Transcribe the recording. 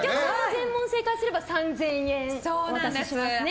全問正解すれば３０００円、お渡ししますね。